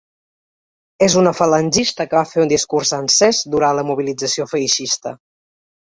És una falangista que va fer un discurs encès durant la mobilització feixista.